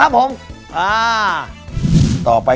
ขอบคุณค่ะ